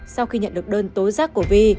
sau khi nhận được đơn tối giác của phi